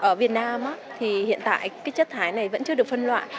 ở việt nam thì hiện tại cái chất thải này vẫn chưa được phân loại